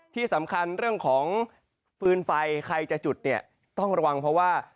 ที่สำคัญเรื่องของฟืนไฟใครจะจุดเนี่ยต้องระวังเพราะว่า